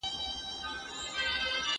هر غاټول يې زما له وينو رنګ اخيستی